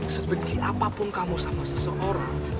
sebenci apapun kamu sama seseorang